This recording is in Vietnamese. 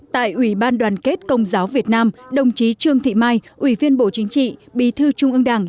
tại ủy ban đoàn kết công giáo việt nam đồng chí trương thị mai ủy viên bộ chính trị bí thư trung ương đảng